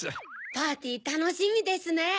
パーティーたのしみですね。